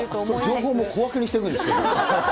情報も小分けにしていくんですね。